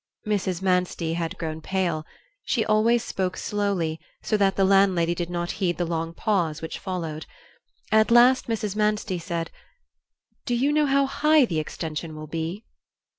Mrs. Manstey had grown pale. She always spoke slowly, so the landlady did not heed the long pause which followed. At last Mrs. Manstey said: "Do you know how high the extension will be?"